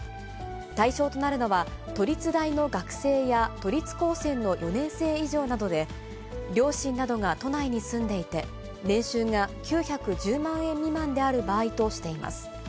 対象となるのは、都立大の学生や都立高専の４年生以上などで、両親などが都内に住んでいて、年収が９１０万円未満である場合としています。